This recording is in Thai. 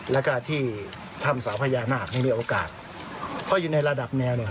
แล้วก็ที่ถ้ำสาวพญานาคให้มีโอกาสเพราะอยู่ในระดับแนวเนี่ย